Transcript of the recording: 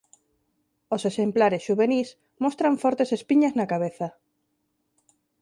Os exemplares xuvenís mostran fortes espiñas na cabeza.